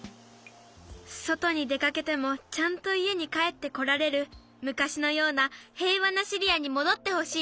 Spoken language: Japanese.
そとにでかけてもちゃんといえにかえってこられるむかしのようなへいわなシリアにもどってほしい。